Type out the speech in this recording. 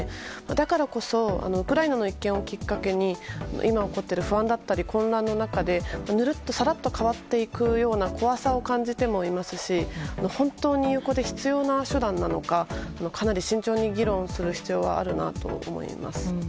だからこそウクライナの一件をきっかけに今起こっている不安だったり混乱の中で、ぬるっとさらっと変わっていくような怖さを感じてもいますし本当に有効で必要な手段なのかかなり慎重に議論する必要はあるなと思います。